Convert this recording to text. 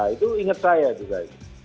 itu inget saya juga